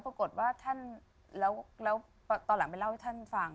ปรากฏว่าท่านแล้วตอนหลังไปเล่าให้ท่านฟัง